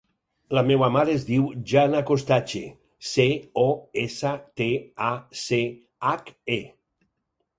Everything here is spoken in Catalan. La meva mare es diu Jana Costache: ce, o, essa, te, a, ce, hac, e.